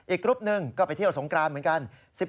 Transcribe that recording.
กรุ๊ปหนึ่งก็ไปเที่ยวสงกรานเหมือนกัน